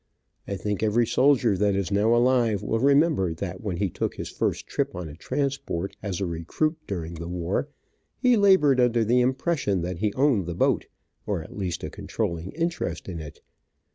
I think every soldier that is now alive will remember that when he took his first trip on a transport, as a recruit, during the war, he labored under the impression that he owned the boat, or at least a controlling interest in it.